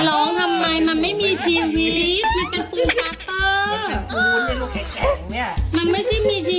ทำไมมันไม่มีชีวิตมันเป็นปืนคาเตอร์